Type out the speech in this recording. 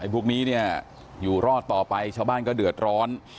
พวกนี้เนี่ยอยู่รอดต่อไปชาวบ้านก็เดือดร้อน